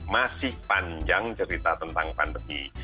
masih panjang cerita tentang pandemi